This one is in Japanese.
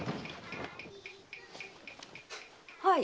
はい。